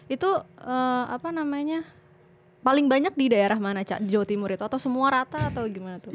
itu apa namanya paling banyak di daerah mana cak di jawa timur itu atau semua rata atau gimana tuh